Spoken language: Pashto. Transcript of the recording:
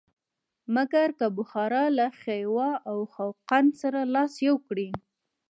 مګر که بخارا له خیوا او خوقند سره لاس یو کړي.